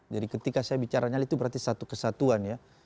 jadi ketika saya bicara nyali itu berarti satu kesatuan ya